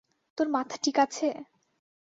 তোর মাথা ঠিক আছে?